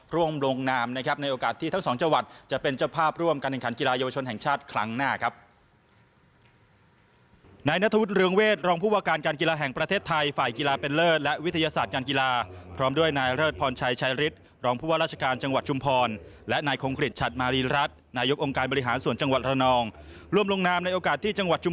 ร่วมลงนามนะครับในโอกาสที่ทั้งสองจังหวัดจะเป็นเจ้าภาพร่วมการแข่งขันกีฬาเยาวชนแห่งชาติครั้งหน้าครับ